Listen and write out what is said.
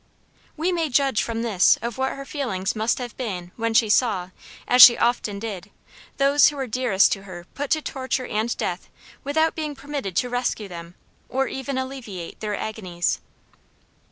We may judge from this of what her feelings must have been when she saw, as she often did, those who were dearest to her put to torture and death without being permitted to rescue them or even alleviate their agonies.